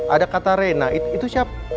ada katarina itu siapa